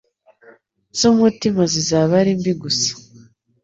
z’umutima zizaba ari mbi gusa.